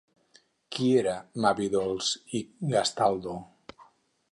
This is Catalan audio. Qui era Mavi Dolç i Gastaldo?